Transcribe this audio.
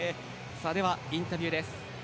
では、インタビューです。